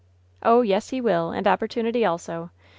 "Oh, yes he will! And opportunity also.